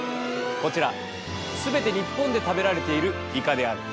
こちら全て日本で食べられているイカである。